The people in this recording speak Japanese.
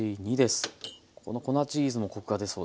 この粉チーズもコクが出そうですね。